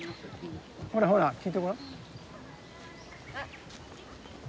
ほらほら聞いてごらん。